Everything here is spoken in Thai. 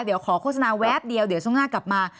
เดี๋ยวขอโฆษณาแวบเดียวเดี๋ยวช่วงหน้ากลับมา